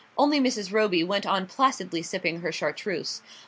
Only Mrs. Roby went on placidly sipping her chartreuse.